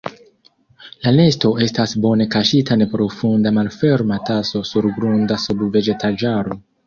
La nesto estas bone kaŝita neprofunda malferma taso surgrunda sub vegetaĵaro.